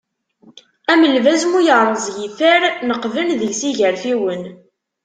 Am lbaz mu yerreẓ yifer, neqqben deg-s igerfiwen.